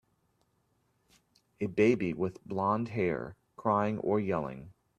A baby with blondhair crying or yelling.